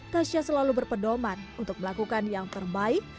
kasya selalu berpedoman untuk melakukan yang terbaik